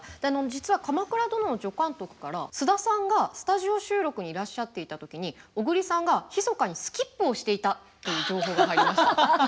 実は「鎌倉殿」の助監督から菅田さんがスタジオ収録にいらっしゃっていた時に小栗さんがひそかにスキップをしていたという情報が入りました。